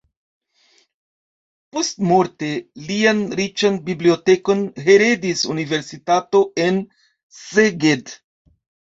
Postmorte lian riĉan bibliotekon heredis universitato en Szeged.